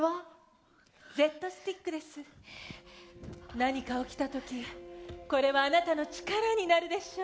何か起きた時これはあなたの力になるでしょう。